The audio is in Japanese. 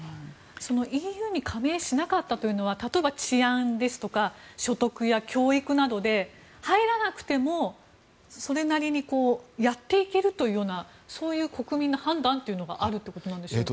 ＥＵに加盟しなかったというのは例えば治安ですとか所得や教育などで入らなくてもそれなりにやっていけるというような国民の判断があるってことなんでしょうか？